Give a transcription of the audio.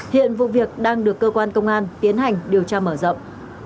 hiện vụ việc đang được cơ quan công an tiến hành điều tra mở rộng